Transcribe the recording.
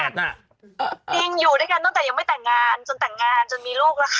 จริงอยู่ด้วยกันตั้งแต่ยังไม่แต่งงานจนแต่งงานจนมีลูกแล้วค่ะ